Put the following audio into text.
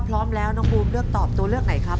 พร้อมแล้วน้องบูมเลือกตอบตัวเลือกไหนครับ